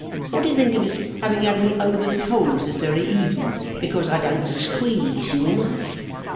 What do you think of his having had me over the coals this very evening, because I don't squeeze you enough?